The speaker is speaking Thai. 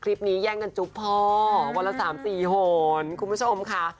คลิปนี้แย่งกันจุ๊บพ่อวันละ๓๔ห่วงคุณผู้ชมค่ะ